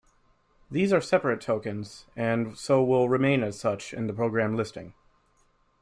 These are separate tokens, and so will remain as such in the program listing.